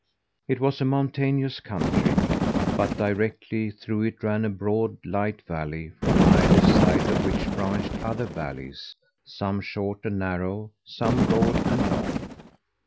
It was a mountainous country, but directly through it ran a broad, light valley from either side of which branched other valleys some short and narrow, some broad and long.